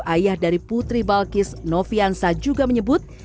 ayah dari putri balkis novi ansa juga menyebut